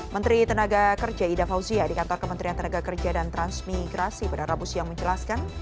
menteri tenaga kerja ida fauzia di kantor kementerian tenaga kerja dan transmigrasi pada rabu siang menjelaskan